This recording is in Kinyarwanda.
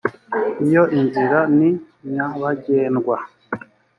iyo inzira ni nyabagendwa